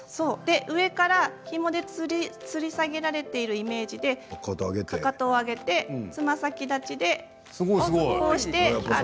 上からひもでつり下げられている意識でかかとを上げて、つま先立ちで歩きます。